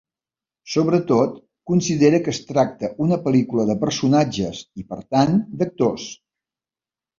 Sobretot, considera que es tracta una pel·lícula de personatges i, per tant, d'actors.